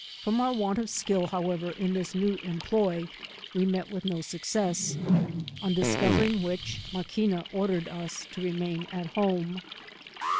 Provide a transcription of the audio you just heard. From our want of skill, however, in this new em ploy, we met with no success; on discovering which, Maquina ordered us to remain at home.